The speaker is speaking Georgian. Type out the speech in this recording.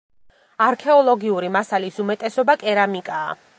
არქეოლოგიური მასალის უმეტესობა კერამიკაა.